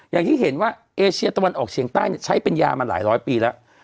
อย่างที่เห็นว่าเอเชียตะวันออกเฉียงใต้ใช้เป็นยามาหลายร้อยปีแล้ว